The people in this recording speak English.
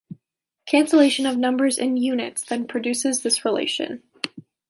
Cancellation of numbers and units then produces this relation.